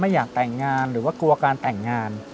อยากแต่งงานหรือว่ากลัวการแต่งงาน